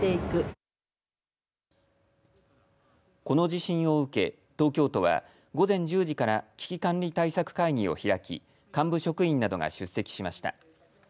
この地震を受け東京都は、午前１０時から危機管理対策会議を開き幹部職員などが出席しました。